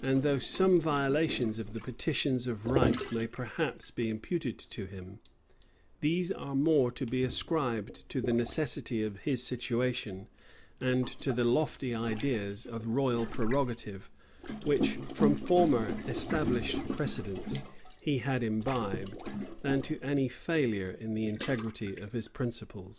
And though some violations of the petition of right may perhaps be imputed to him, these are more to be ascribed to the necessity of his situation, and to the lofty ideas of royal prerogative, which, from former established precedents, he had imbibed, than to any failure in the integrity of his principles.